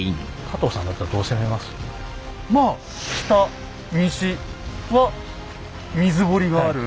まあ北西は水堀がある。